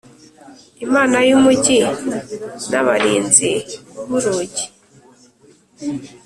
imana y’umugi n’abarinzi b’urugi (men shen).